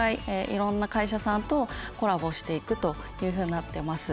いろんな会社さんとコラボしていくというふうになってます。